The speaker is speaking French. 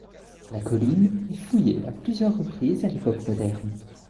La colline est fouillée à plusieurs reprises à l'époque moderne.